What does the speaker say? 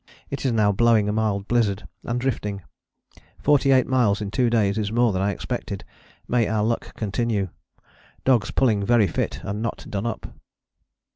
It is now blowing a mild blizzard and drifting. Forty eight miles in two days is more than I expected: may our luck continue. Dogs pulling very fit and not done up.